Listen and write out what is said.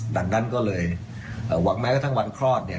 ดังนั้นก็เลยหวังแม้กระทั่งวันคลอดเนี่ย